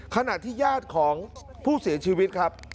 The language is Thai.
ขณะที่ญาติของผู้เสียชีวิตครับ